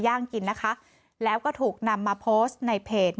กินนะคะแล้วก็ถูกนำมาโพสต์ในเพจ